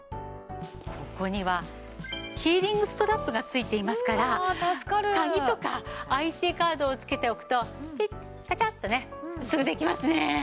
ここにはキーリングストラップが付いていますから鍵とかＩＣカードを付けておくとピッカチャッとねすぐできますね。